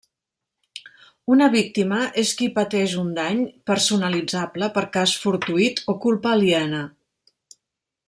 Una víctima és qui pateix un dany personalitzable per cas fortuït o culpa aliena.